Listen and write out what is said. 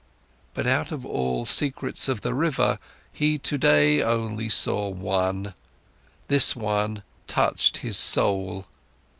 But out of all secrets of the river, he today only saw one, this one touched his soul.